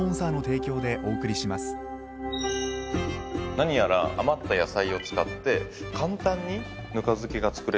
何やら余った野菜を使って簡単にぬか漬けが作れるって聞いたんですけど。